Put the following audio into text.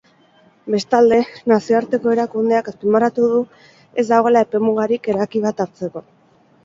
Bestalde, nazioarteko erakundeak azpimarratu du ez dagoela epemugarik erabaki bat hartzeko.